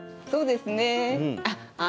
そうですね。